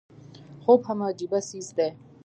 خوب هم عجيبه څيز دی